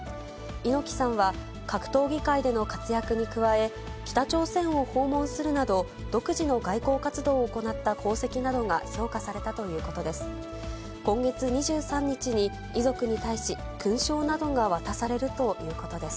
猪木さんは、格闘技界での活躍に加え、北朝鮮を訪問するなど、独自の外交活動を行った功績などが評価されたということです。